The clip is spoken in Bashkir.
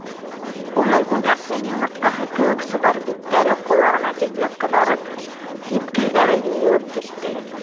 Уның күгәрсен йомортҡаһы кеүек сыбар биттәре ҡолағына тиклем ҡыҙарып, һипкелдәре юйылып китте.